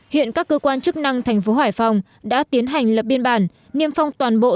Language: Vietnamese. hiện các cơ quan chức năng thành phố hải phòng đã tiến hành lập biên bản